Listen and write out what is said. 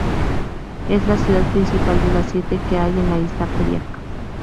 Es la ciudad principal de las siete que hay en la isla Kodiak.